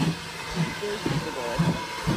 Anda i tewwḍeḍ?